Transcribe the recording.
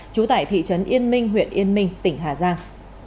trú tại thị trấn yên minh huyện yên minh tỉnh hà giang